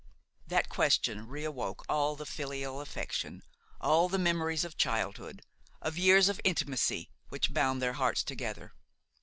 That question reawoke all the filial affection, all the memories of childhood, of years of intimacy, which bound their hearts together.